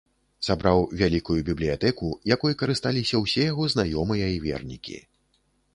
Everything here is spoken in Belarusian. Сабраў вялікую бібліятэку, якой карысталіся ўсе яго знаёмыя і вернікі.